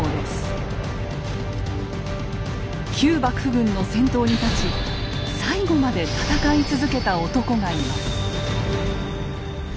旧幕府軍の先頭に立ち最後まで戦い続けた男がいます。